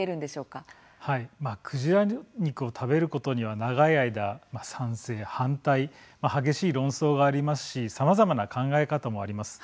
肉を食べることには長い間、賛成・反対激しい論争がありますしさまざまな考え方もあります。